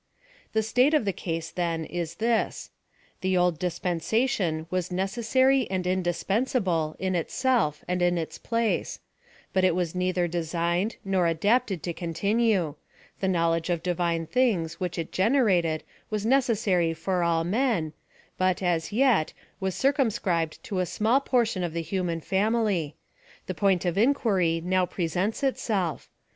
The state of the case, then, is this : The ofd dis pensation was necessary and indispensable, in itself, and in its place ; but it was neither designed, nor adapted to continue — The knowledge of Divine things which it generated was necessary for all men, but, as yet, it was circumscribed to a small portion of PLAN OF SALVATION. 117 the human family: the point of inqn/ry now pre sents itself.